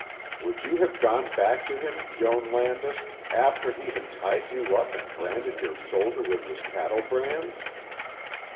"Would you have gone back to him, Joan Landis, after he had tied you up and branded your shoulder with his cattlebrand?"